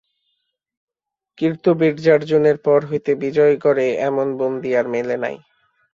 কার্তবীর্যার্জুনের পর হইতে বিজয়গড়ে এমন বন্দী আর মেলে নাই।